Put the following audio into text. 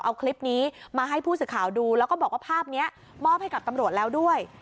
เอาคลิปนี้มาให้ผู้สื่อข่าวดูแล้วก็บอกว่าภาพนี้มอบให้กับตำรวจแล้วด้วย